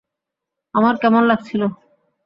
আমার কেমন লাগছিল?